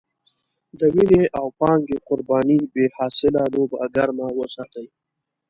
د وينې او پانګې قربانۍ بې حاصله لوبه ګرمه وساتي.